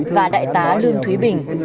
và đại tá lương thúy bình